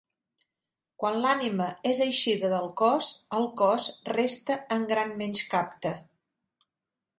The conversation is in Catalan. Quan l'ànima és eixida del cos, el cos resta en gran menyscapte.